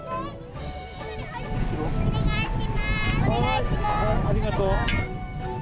ありがとう。